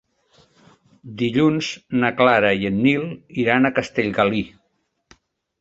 Dilluns na Clara i en Nil iran a Castellgalí.